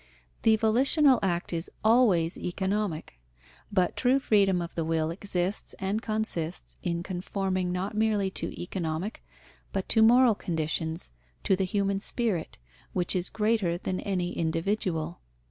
The volitional act is always economic, but true freedom of the will exists and consists in conforming not merely to economic, but to moral conditions, to the human spirit, which is greater than any individual.